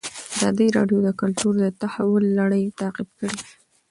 ازادي راډیو د کلتور د تحول لړۍ تعقیب کړې.